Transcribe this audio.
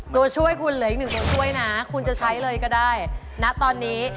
ตัวช่วยคุณเหลืออีกหนึ่งตัวช่วยนะคุณจะใช้เลยก็ได้ณตอนนี้